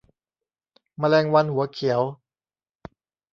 แมลงวันหัวเขียว